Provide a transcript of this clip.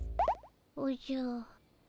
おじゃ。